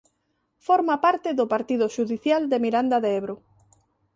Forma parte do partido xudicial de Miranda de Ebro.